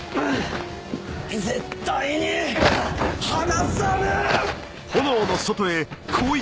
絶対に離さねえ‼